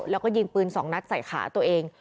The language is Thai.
แล้วก็ยิงปืน๒นัดใส่ขาตัวเอง